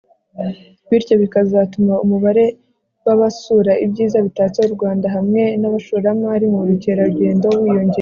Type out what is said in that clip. bityo bikazatuma umubare w'abasura ibyiza bitatse u rwanda hamwe n'abashoramari mu bukerarugendo wiyongera